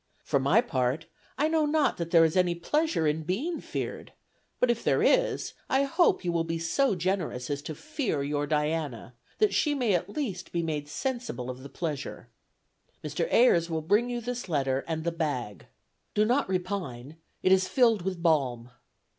For my part, I know not that there is any pleasure in being feared; but, if there is, I hope you will be so generous as to fear your Diana, that she may at least be made sensible of the pleasure. Mr. Ayers will bring you this letter and the bag. Do not repine, it is filled with balm.